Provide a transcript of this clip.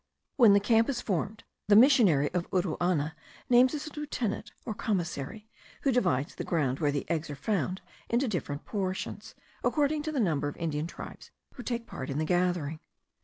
When the camp is formed, the missionary of Uruana names his lieutenant, or commissary, who divides the ground where the eggs are found into different portions, according to the number of the Indian tribes who take part in the gathering.